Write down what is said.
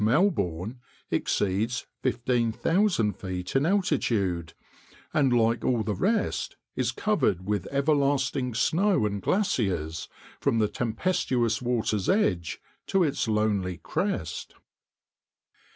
Melbourne, exceeds 15,000 feet in altitude, and like all the rest is covered with everlasting snow and glaciers from the tempestuous water's edge to its lonely crest.